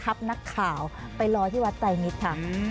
นักข่าวไปรอที่วัดใจมิตรค่ะ